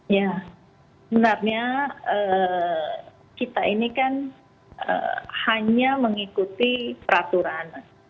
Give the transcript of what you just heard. ya sebenarnya kita ini kan hanya mengikuti peraturan